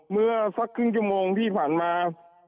เมื่อสักครึ่งชั่วโมงที่ผ่านมา